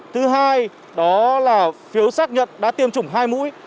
thứ hai đó là phiếu xác nhận đã tiêm chủng hai mũi